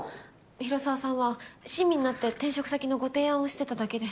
広沢さんは親身になって転職先のご提案をしてただけで。